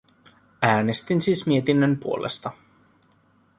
Äänestin siis mietinnön puolesta.